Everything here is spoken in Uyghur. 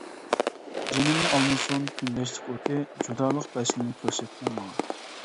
جېنىمنى ئالمىسۇن كۈندەشلىك ئوتى، جۇدالىق پەسلىنى كۆرسەتمە ماڭا.